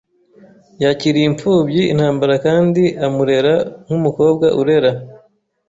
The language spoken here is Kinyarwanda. Yakiriye impfubyi yintambara kandi amurera nkumukobwa urera.